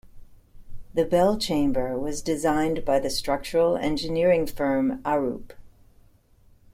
The bell chamber was designed by the structural engineering firm Arup.